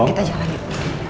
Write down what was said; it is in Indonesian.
yuk kita jalan yuk